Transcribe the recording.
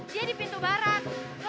dia di pintu barat